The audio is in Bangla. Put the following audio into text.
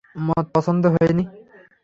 মদ পছন্দ হয়নি?